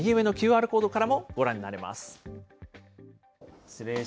記事は右上のＱＲコードからもご覧になれます。